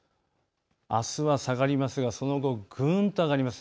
あすは下がりますがその後、ぐんと上がります。